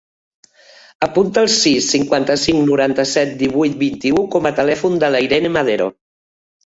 Apunta el sis, cinquanta-cinc, noranta-set, divuit, vint-i-u com a telèfon de l'Irene Madero.